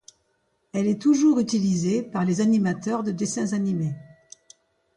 Elle est toujours utilisée par les animateurs de dessins animés.